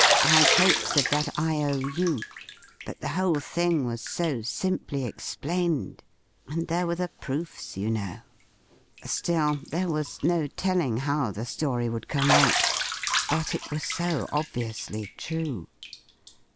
I'd hopes of that I.O.U., but the whole thing was so simply explained and there were the proofs, you know. Still, there was no telling how the story would come out. But it was so obviously true....